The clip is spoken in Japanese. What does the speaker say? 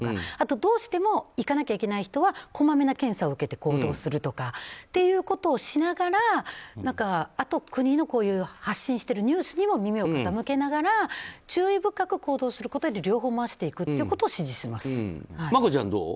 どうしても行かなきゃいけない人はこまめな検査を受けて行動するとかっていうことをしながら国の発信しているニュースにも耳を傾けながら注意深く行動することで両方回していくことをマコちゃん、どう？